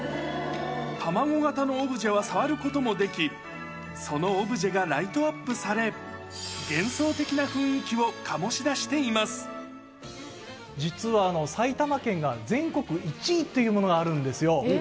卵形のオブジェは触ることもでき、そのオブジェがライトアップされ、幻想的な雰囲気を醸し出していま実は埼玉県が全国１位というものがあるんですよ。